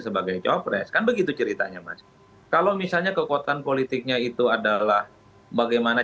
sebagai capres kan begitu ceritanya mas kalau misalnya kekuatan politiknya itu adalah bagaimana